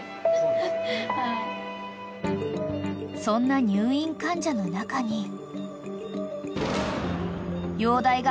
［そんな入院患者の中に］